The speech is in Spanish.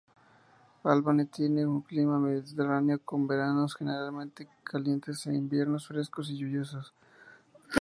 Albany tiene un clima mediterráneo con veranos generalmente calientes e inviernos frescos y lluviosos.